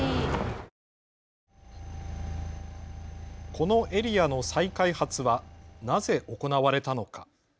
このエリアの再開発はなぜ行われたのか。